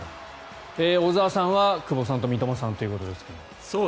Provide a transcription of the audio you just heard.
小澤さんは久保さんと三笘さんということですが。